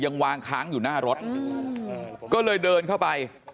ยังวางค้างอยู่หน้ารถก็เลยเดินเข้าไป